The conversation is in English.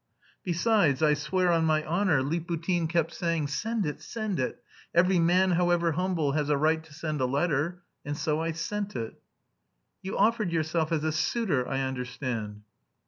Besides, I swear on my honour, Liputin kept saying, 'Send it, send it,' every man, however humble, has a right to send a letter! And so I sent it." "You offered yourself as a suitor, I understand."